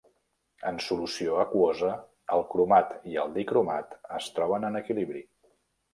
En solució aquosa, el cromat i el dicromat es troben en equilibri.